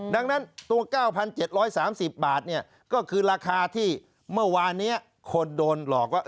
ดังนั้นตัว๙๗๓๐บาทก็คือราคาที่เมื่อวานนี้คนโดนหลอกว่า